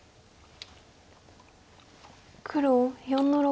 黒４の六。